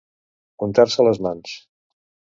Untar-se les mans.